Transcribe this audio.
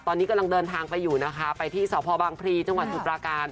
ตอนนี้กำลังเดินทางไปอยู่นะคะไปที่สพบางพลีจังหวัดสมุทรปราการ